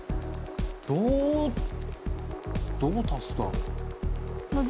どう足すだろう？